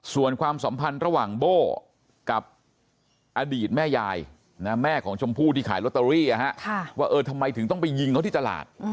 ส่วนความสัมพันธ์ระหว่างโบ้กับอดีตแม่ยายแม่ของชมพู่ที่ขายลอตเตอรี่ว่าเออทำไมถึงต้องไปยิงเขาที่ตลาด